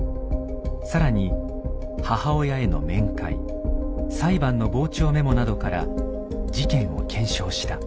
更に母親への面会裁判の傍聴メモなどから事件を検証した。